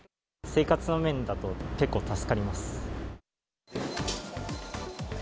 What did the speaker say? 生活の面だと結構助かります。